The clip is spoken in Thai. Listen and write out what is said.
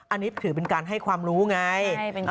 อันนี้ถือเป็นการให้ความรู้ไง